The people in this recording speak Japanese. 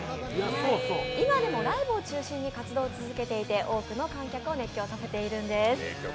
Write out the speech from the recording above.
今でもライブを中心に活動を続けていて多くの観客を熱狂させているんです。